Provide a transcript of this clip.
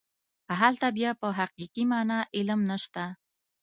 هلته بیا په حقیقي معنا علم نشته.